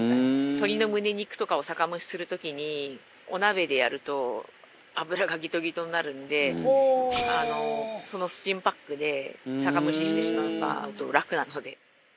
鶏の胸肉とかを酒蒸しする時にお鍋でやると油がギトギトになるんでそのスチームバッグで酒蒸ししてしまえば楽なので。